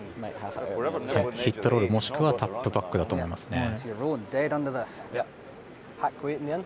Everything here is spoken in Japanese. ヒットロール、もしくはタップバックだと思います。